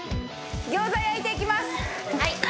餃子焼いていきます。